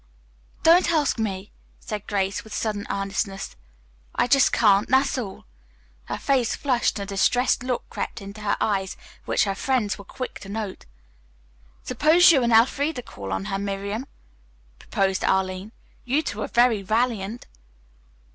"Please don't ask me," said Grace with sudden earnestness. "I just can't, that's all." Her face flushed, and a distressed look crept into her eyes which her friends were quick to note. "Suppose you and Elfreda call on her, Miriam?" proposed Arline. "You two are very valiant."